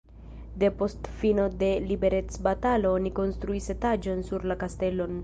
Depost fino de liberecbatalo oni konstruis etaĝon sur la kastelon.